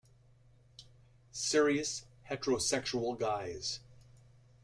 Serious heterosexual guys.